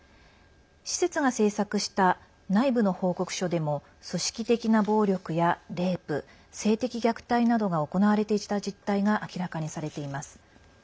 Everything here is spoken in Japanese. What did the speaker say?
施設が制作した内部の報告書でも組織的な暴力やレイプ性的虐待などが行われていた実態が明らかにされています。